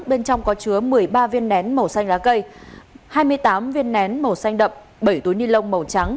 bên trong có chứa một mươi ba viên nén màu xanh lá cây hai mươi tám viên nén màu xanh đậm bảy túi ni lông màu trắng